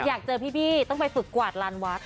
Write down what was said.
อยากเจอพี่บี้ต้องไปฝึกกวาดลานวัด